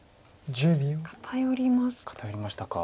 偏りました。